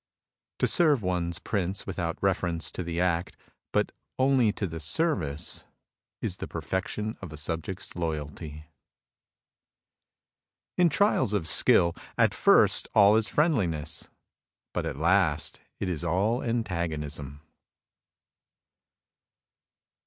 To serve one's prince without reference to the act, but only to the service, is the perfection of a subject's loyalty. ••••• In trials of skill, at first all is friendliness ; but at last it is all antagonism.